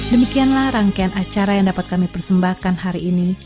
demikianlah rangkaian acara yang dapat kami persembahkan hari ini